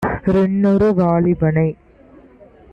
றின்னொரு வாலிபனை